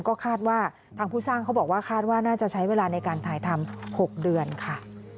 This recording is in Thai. ก็คาดว่าทางผู้สร้างเขาบอกว่าคาดว่าน่าจะใช้เวลาในการถ่ายทำ๖เดือนค่ะ